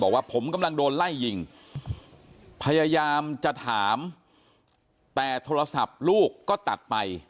บอกว่าผมกำลังโดนไล่ยิงพยายามจะถามแต่โทรศัพท์ลูกก็ตัดไป